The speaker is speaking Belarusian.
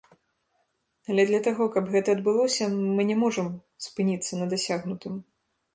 Але для таго, каб гэта адбылося, мы не можам спыніцца на дасягнутым.